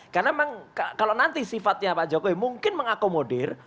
karena memang kalau nanti sifatnya pak jokowi mungkin mengakomodir